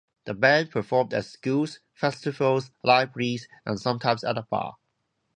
The band performed at schools, festivals, libraries, and sometimes at a bar.